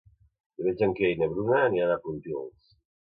Diumenge en Quer i na Bruna aniran a Pontils.